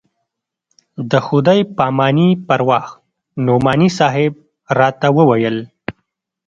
د خداى پاماني پر وخت نعماني صاحب راته وويل.